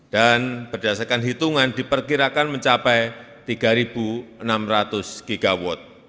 dan berdasarkan hitungan diperkirakan mencapai tiga enam ratus gigawatt